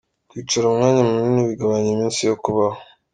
Kwicara umwanya munini bigabanya iminsi yo kubaho